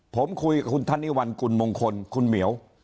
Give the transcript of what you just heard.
ผมคุยกับคุณทันติวัลคุณมงคลคุณเหมียว